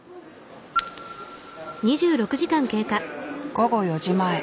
午後４時前。